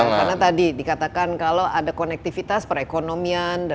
karena tadi dikatakan kalau ada konektivitas perekonomian